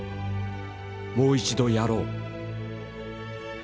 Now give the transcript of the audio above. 「もう一度やろう」。